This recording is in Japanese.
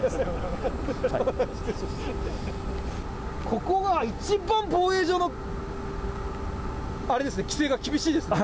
ここが一番防衛上の、あれですね、規制が厳しいですね。